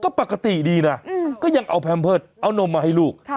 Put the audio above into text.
ก็ปกติดีนะก็ยังเอาแพมเพิร์ตเอานมมาให้ลูก